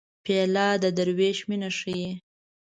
پیاله د دروېش مینه ښيي.